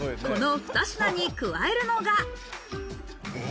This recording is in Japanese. この２品に加えるのが。